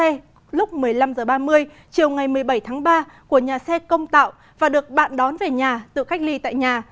bệnh nhân được cách ly tại nhà xe lúc một mươi năm h ba mươi chiều ngày một mươi bảy tháng ba của nhà xe công tạo và được bạn đón về nhà tự cách ly tại nhà